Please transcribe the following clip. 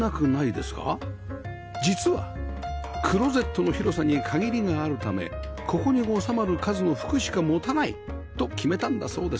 実はクローゼットの広さに限りがあるためここに収まる数の服しか持たないと決めたんだそうです